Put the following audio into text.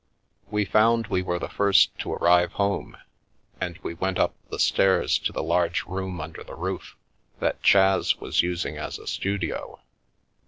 We found we were the first to arrive home, and we went up the stairs to a large room under the roof, that Chas was using as a studio.